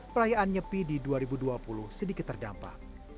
perayaan nyepi di dua ribu dua puluh sedikit terdampak